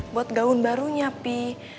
buat gaun baru nya pi